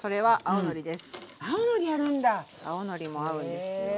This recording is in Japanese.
青のりも合うんですよ。